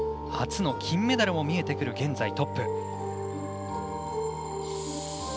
初の金メダルも見えてくる現在、トップ。